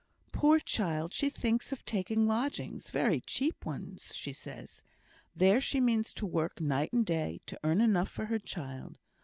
"Poor child! she thinks of taking lodgings very cheap ones, she says; there she means to work night and day to earn enough for her child.